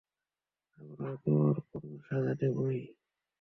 আমরা ওকে ওর কর্মের সাজা দেবোই।